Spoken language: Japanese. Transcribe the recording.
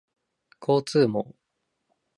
交通網